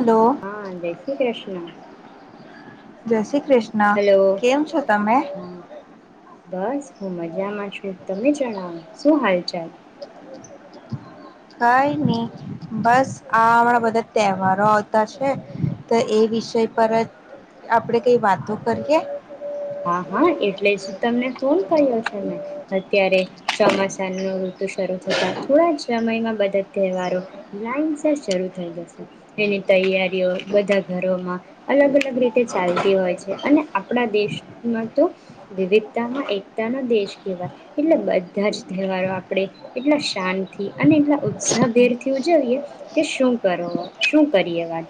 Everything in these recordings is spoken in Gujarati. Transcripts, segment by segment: હલો હા જય શ્રી કૃષ્ણ. જય શ્રી કૃષ્ણ હલો કેમ છો, તમે. હા બસ હું મજામાં છું, તમે જણાવો શું હાલ ચાલ કઈ નહી બસ આ હણા બધા તહેવારો આવતા છે તો એ વિષય પર જ આપડે કઈ વાતો કરીએ. હા હા એટલે તમને ફોન કર્યો છે મેં અત્યારે ચોમાસા ન ઋતુ શરૂ થતા થોડા જ સમયમાં બધા તહેવારો લાઈન શરૂ થઈ જશે એની તૈયારીઓ બધા ઘરોમાં અલગ અલગ રીતે ચાલતી હોય છે અને આપણા દેશ તો વિવિધતામાં એકતાનો દેશ કહેવાય એટલે બધા જ તહેવારો આપણે એટલા શાંતથી અને એટલા ઉત્સાહભેરથી ઉજવીએ કે શું કરો શું કરીએ વાત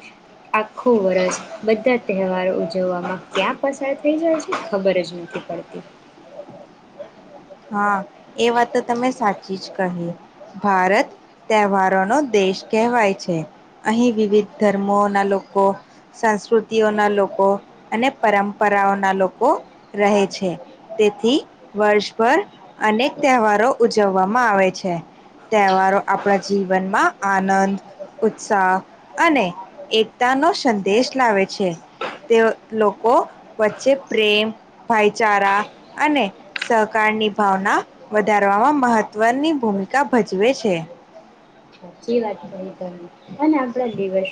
આખું વર્ષ બધા તહેવારો ઉજવવામાં ક્યાં પસાર થઈ જાય છે. ખબર જ નથી પડતી. હા એ વાત તો તમે સાચી જ કહી ભારત તહેવારોનોો દેશ કહેવાય છે અહીં વિવિધ ધર્મોના લોકો સંસ્કૃતિઓના લોકો અને પરંપરાઓના લોકો રહે છે તેથી વર્ષ પર અનેક તહેવારો ઉજવવામાં આવે છે તહેવારો આપણા જીવનમાં આનંદ ઉત્સાહ અને એકતાનોો સંદેશ લાવે છે તે લોકો વચ્ચે પ્રેમ, ભાઈચારા અને કાળની ભાવના વધારવામાં મહત્વની ભૂમિકા ભજવે છે. સાચી વાત છે એ તને અને આપણા દિવસ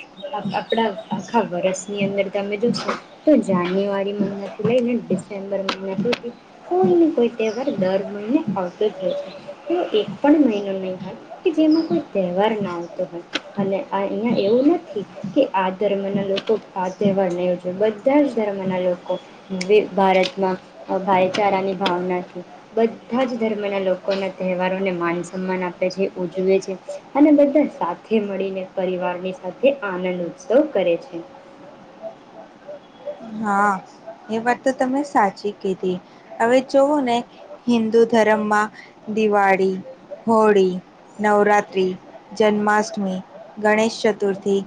આપણા આખા વર્ષની અંદર તમે જોશો તો જાન્યુઆરી મહિના ઈ ને ડિસેમ્બર મહિને શ કોઈ ને કોઈ તહેવાર દર મહિને આવતો જ હો છે એવો એક પણ મહિનો નહીં હોય કે જેમાં કોઈ તહેવાર ના આવતો હોય અને આ અહીંયા એવું નથી કે આ ધર્મના લોકો આ તહેવાર નહીં ઉજવે બધા જ ધર્મના લોકો ભારતમાં ભાઈચારાની ભાવનાથી બધા જ ધર્મના લોકોના તહેવારોને માન સન્માન આપે છે ઉજવે છે. અને બધા સાથે મળીને પરિવારની સાથે આનંદ ઉત્સવ કરે છે. હા એ વાત તો તમે સાચી કીધી હવે જઓ ને હિન્દુ ધર્મમાં દિવાળી હોળી નવરાત્રિ જન્માષ્ટમી ગણેશ ચતુર્થી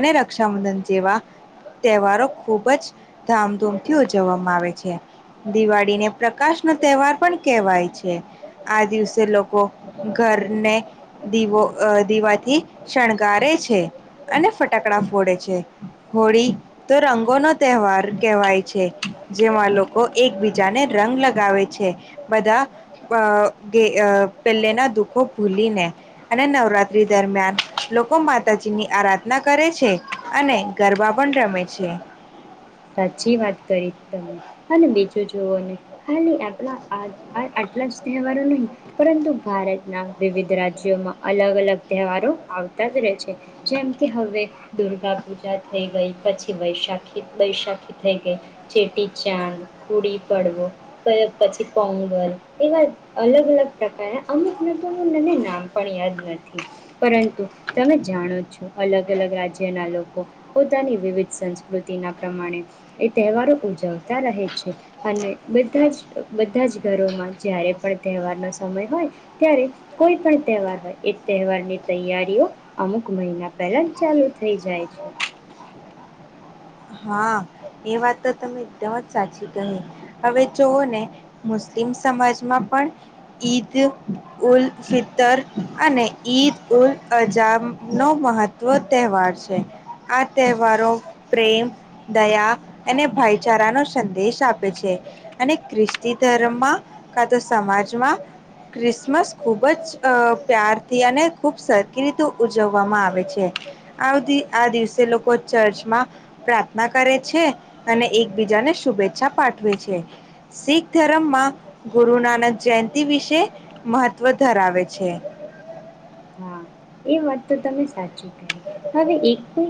અને રક્ષાબંધન જેવા તહેવારો ખૂબ જ ધામધૂમથી ઉજવવામાં આવે છે દિવાળીને પ્રકાશ નો તહેવાર પણ કેહેવાય છે આ દિવસે લોકો ઘરને દીવો દીવાથી શણગારે છે અને ફટાકડા ફોડે છે હોળી તો રંગોનો તહેવાર કહેવાય છે જેમાં લોકો એકબીજાને રંગ લગાવે છે બધા પેલેના દુઃખો ભૂલીને અને નવરાત્રી દરમિયાન લોકો માતાજીની આરાધના કરે છે અને ગરબા પણ રમે છે. સાચી વાત કરી તમે. અને બીજું જુવઓ ને ખાલી આપણા આ આ આટલા જ તહેવારો નહીં પરંતુ ભારતના વિવિધ રાજ્યોમાં અલગ અલગ તહેવારો આવતા જ રહે છે જેમ કે હવે દુર્ગા પૂજા થઈ ગઈ પછી વૈશાખી બૈશાખી થઈ ગઈ ચેટી ચાંદ કુડી પડવો પછી પોંગલ એવા અલગ અલગ પ્રકારના અમુક નટનું મને નામ પણ યાદ નથી પરંતુ તમે જાણો છો અલગ અલગ રાજ્યના લોકો પોતાની વિવિધ સંસ્કૃતિના પ્રમાણે એ તહેવારો ઉજવતા રહે છે અને બધા જ બધા જ ઘરોમાં જય્યારે પણ તહેવારનો સમય હોય ત્યારે કોઈ પણ તહેવાર હોય એ તહેવારની તૈયારીઓ અમુક મહિના પહેલા ચાલુ થઈ જાય છે. હા એ વાત તો તમે એકદમ જ સાચી કહી હવે જઓ ને મુસ્લિમ સમાજમાં પણ ઈદ ઉલ ફિતર અને ઈદ ઉલ અજબ નો મહત્વ તહેવાર છે આ તહેવારો પ્રેમ દયા અને ભાઈચારાનોો સંદેશ આપે છે અને ખ્રિસ્તી ધર્મમાં કા તો સમાજમાં ક્રિસમસ ખૂબ જ પ્યારથી અને ખૂબ સરખી રીતે ઉજવવામાં આવે છે આ દિવસે લોકો ચર્ચમાં પ્રાર્થના કરે છે અને એકબીજાને શુભેચ્છા પાઠવે છે શીખ ધર્મમાં ગુરુ નાનક જયંતિ વિશે મહત્વ ધરાવે છે. હા એ વાત તો તમે સાચી હવે એક કો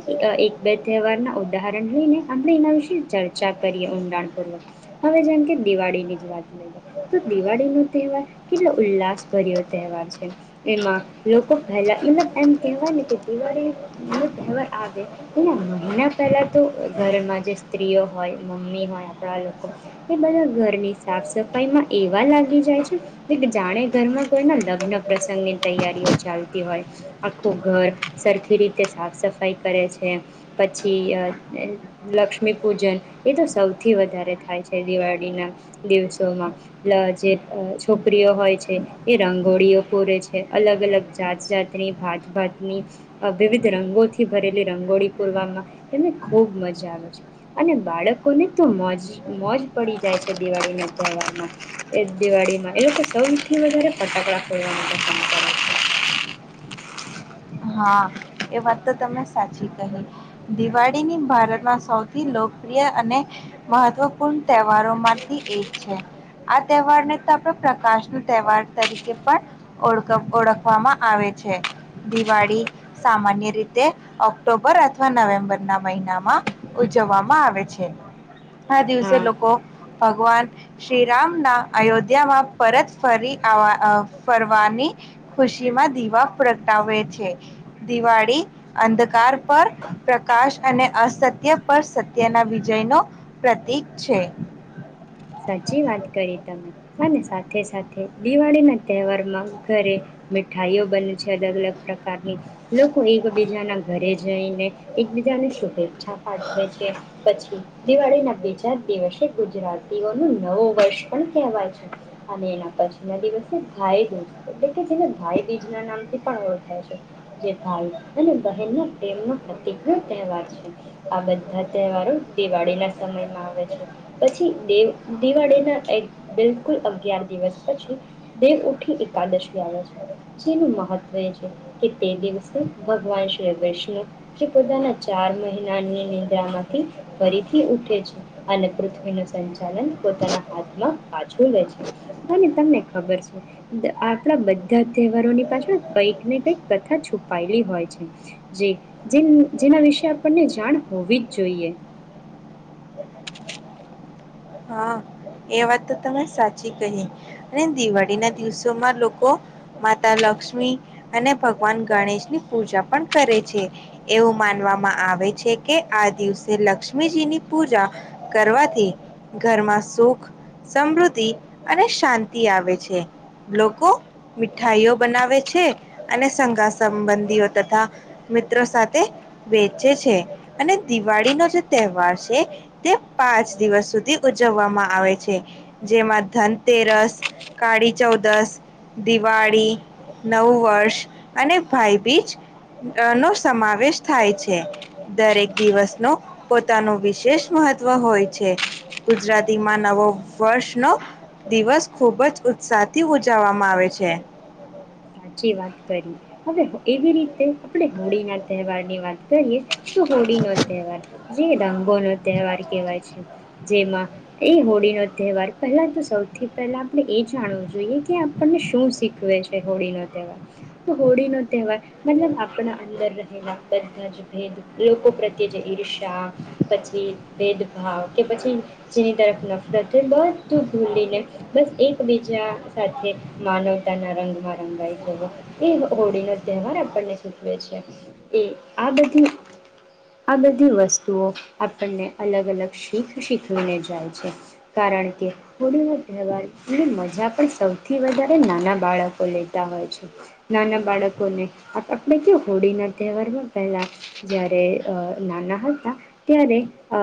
એક બે તહેવાર ના ઉદાહરણ લઈને આપણે એના વિશે ચર્ચા કરીએ ઊંડાણપૂર્વક હવે જેમ કે દિવાળીની જ વાત લઈએ તો દિવાળીનું તહેવાર કેટલો ઉલ્લાસ ભર્યો તહેવાર છે એમાં લોકો પહેલાં મતલબ એમ કહેવાય ને કે દિવાળી તહેવાર આવે એને મહિના પહેલાં તો ઘરમાં જે સ્ત્રીઓ હોય મમ્મી હોય આપણા લોકો એ બધા ઘરની સાફ સફાઈમાં એવા લાગી જાય છે કે જાણે ઘરમાં કોઈના લગ્ન પ્રસંગની તૈયારીઓ ચાલતી હોય આખું ઘર સરખી રીતે સાફ સફાઈ કરે છે પછી લક્ષ્મી પૂજન એ તો સૌથી વધારે થાય છે દિવાળીના દિવસોમાં જે છોકરીઓ હોય છે એ રંગોળીઓ પૂરે છે અલગ અલગ જાત જાતની ભાતભાતની વિવિધ રંગોથી ભરેલી રંગોળી પૂરવામાં એને ખૂબ મજા આવે છે અને બાળકોને તો મોજ મોજ પડી જાય છે દિવાળીને કહેવામાં એ દિવાળીમાં એ લોકો સૌથી વધારે ફટાકડા ફોરવાવામાં પસંદ કરે છે. હા એ વાત તો તમે સાચી કહી દિવાળીની ભારતમાં સૌથી લોકપ્રિય અને મહત્વપૂર્ણ તહેવારોમાંથી એક છે આ તહેવારને તો આપણે પ્રકાશ ન તહેવાર તરીકે પણ ઓળ ઓળખવામાં આવે છે. દિવાળી સામાન્ય રીતે ઓક્ટોબર અથવા નવેમ્બર ના મહિના માં ઉજવવામાં આવે છે આ દિવસે હા લોકો ભગવાન શ્રીરામ ના અયોધ્યામાં પરત ફરી ફરવાની ખુશી માં દીવા પ્રગટાવે છે. દિવાળી અંધકાર પર પ્રકાશ અને અસત્ય પર સત્ય ના વિજય ન પ્રતીક છે. સાચી વાત કરી તમે અને સાથે સાથે દિવાળીના તહેવારમાં ઘરે મીઠાઈઓ બને છે. અલગ-અલગ પ્રકારની લોકો એકબીજા ના ઘરે જ જઈ ને એકબીજાને શુભેચ્છા પાઠવે છે પછી દિવાળી ના બે-ચાર દિવસે ગુજરાત એવાનો નવો વર્ષ પણ કહેવાય છે અને એના પછી ના દિવસે ભાઈ દૂજ એટલે કે જેને ભાઈબીજ ના નામથી પણ ઓળખાય છે જે ભાઈ અને બહેનના પ્રેમનો પ્રતિક ન તહેવાર છે આ બધા તહેવારો દિવાળી ના સમયમાં આવે છે પછી દ દિવાળીના એક બિલકુલ અગિયાર દિવસ પછી દેવ ઉઠી એકાદશી આવે છે જેનું મહત્વ એ છે કે તે દિવસે ભગવાન શ્રી વિષ્ણુ જે પોતાના ચાર મહિનાની નિદ્રામાંથી ફરીથી ઉઠે છે અને પૃથ્વીનો સંચાર પોના હાથમાં પાછું લે છે અને તમને ખબર છે આપણા બધા તહેવારોની પાછળ કંઈક ને કંઈક કથા છુપાયેલી હોય છે જે જેના વિશે આપણને જાણ હોવી જ જોઈએ. હા એ વાત તો તમે સાચી કહી અને દિવાળી ના દિવસોમાં લોકો માતા લક્ષ્મી અને ભગવાન ગણેશ ની પૂજા પણ કરે છે એવું માનવામાં આવે છે કે આ દિવસે લક્ષ્મીજીની પૂજા કરવાથી ઘરમાં સુખ સમૃદ્ધિ અને શાંતિ આવે છે. લોકો મીઠાઈઓ બનાવે છે અને સાંગા-સંબંધીઓ તથા મિત્રો સાથે વેચે છે અને દિવાળી નો જે તહેવાર છે તે પાંચ દિવસ સુધી ઉજવવામાં આવે છે. જેમાં ધનતેરસ, કાળી ચૌદશ, દિવાળી નવું વર્ષ અને ભાઈબીજ નો સમાવેશ થાય છે દરેક દિવસ નો પોતાનું વિશેષ મહત્વ હોય છે. ગુજરાતીમાં નવો વર્ષનો દિવસ ખૂબ જ ઉત્સાહથી ઉજવવામાં આવે છે. સાચી વાત કરી, હવે એવી રીતે આપણે હોળી ના તહેવાર ની વાત કરીએ શું હોડીનો તહેવાર [inaudible] રંગોનો તહેવાર કહેવાય છે. જેમાં એ હોળીનો તહેવાર પહેલાં તો સૌથી પહેલાં આપણે એ જાણવું જોઈએ કે આપણને શું શીખવે છે. હોળી નો તહેવાર તો હોળી નો તહેવાર મતલબ આપણા અંદર રહેલા બધા જ ભેદ લોકો પ્રત્યે જે ઈર્ષ્યા પછી ભેદભાવ કે પછી જેની તરફ નફરતય બધું ભૂલીને બસ એકબીજા સાથે માનવતાના રંગમાં એ હોળીનો તહેવાર આપણને શીચવે છે એ આ બધી આ બધી વસ્તુઓ આપણને અલગ અલગ શીખ શીખવીને જાય છે કારણ કે હોળીનો તહેવારની મજા પણ સૌથી વધારે નાના બાળકો લે તા હોય છે. નાના બાળકોને આપણે કે હોળીના તહેવારમાં પહેલાં જ્યારે અ નાના હતા ત્યારે અ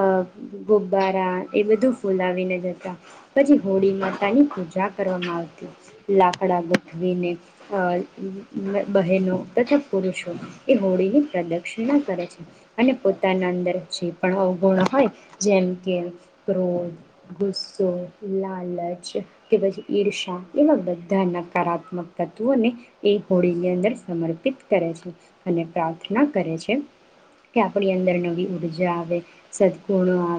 ગુબ્બારા એ બધું ફૂલાવીને જતા પછી હોળી માતાની પૂજા કરવામાં આવતી, લાકડા ગોઠવી ને બ અ બહેનો તથા પુરુષો એ હોળીની પ્રદક્ષિણા કરે છે અને પોતાના અંદર જે પણ અવગુણ હોય જેમ કે ક્રોધ, ગુસ્સો, લાલચ કે પછી ઈર્ષા એવા બધા નકારાત્મક તત્વોને એ હોળીની અંદર સમર્પિત કરે છે અને પ્રાર્થના કરે છે કે આપણી અંદર નવી ઉર્જા આવે, સદગુણો આવે